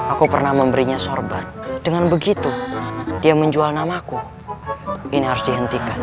aku pernah memberinya sorban dengan begitu dia menjual namaku ini harus dihentikan